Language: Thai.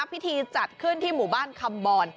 พิธีจัดขึ้นที่หมู่บ้านคำบร